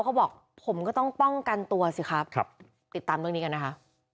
เขาบอกผมก็ต้องป้องกันตัวสิครับติดตามเรื่องนี้กันนะคะ